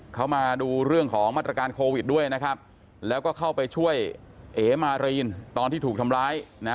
เขามาดูเรื่องของมาตรการโควิดด้วยนะครับแล้วก็เข้าไปช่วยเอมารีนตอนที่ถูกทำร้ายนะ